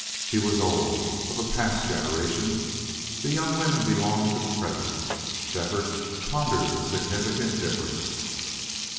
She was old, of a past generation; the young women belonged to the present. Shefford pondered the significant difference.